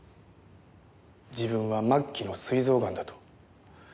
自分は末期のすい臓がんだと。